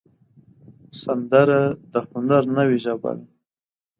سندره د هنر نوې ژبه ده